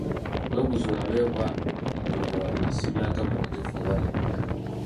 Weebuuze olabe oba ng'omuwandiisi by'agamba bituufu oba nedda.